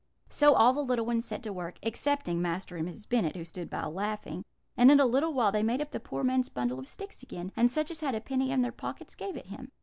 "So all the little ones set to work (excepting Master and Miss Bennet, who stood by laughing), and in a little while they made up the poor man's bundle of sticks again, and such as had a penny in their pockets gave it him.